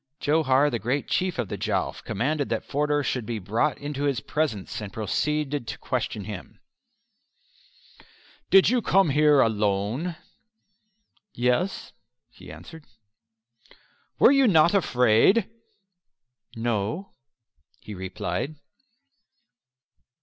Johar, the great Chief of the Jowf, commanded that Forder should be brought into his presence, and proceeded to question him: "Did you come over here alone?" "Yes," he answered. "Were you not afraid?" "No," he replied.